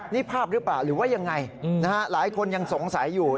นี่ภาพหรือเปล่าหรือว่ายังไงนะฮะหลายคนยังสงสัยอยู่